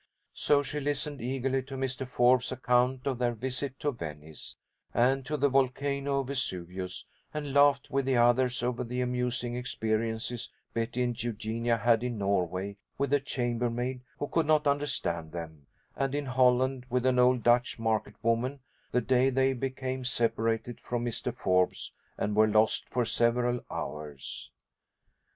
So she listened eagerly to Mr. Forbes's account of their visit to Venice, and to the volcano of Vesuvius, and laughed with the others over the amusing experiences Betty and Eugenia had in Norway with a chambermaid who could not understand them, and in Holland with an old Dutch market woman, the day they became separated from Mr. Forbes, and were lost for several hours.